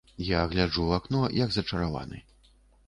Я гляджу ў акно, як зачараваны.